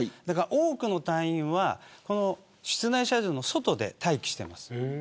多くの隊員は室内射場の外で待機しています。